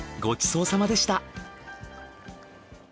ごちそうさまでした。